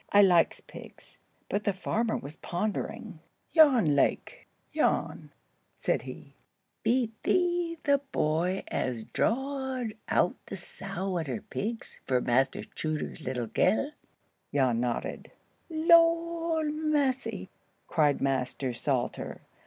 "I likes pigs." But the farmer was pondering. "Jan Lake—Jan," said he. "Be thee the boy as draad out the sow and her pigs for Master Chuter's little gel?" Jan nodded. "Lor massey!" cried Master Salter.